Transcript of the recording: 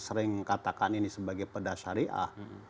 sering katakan ini sebagai perdah syariah